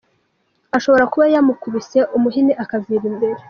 Ashobora kuba yamukubise umuhini akavira imbere.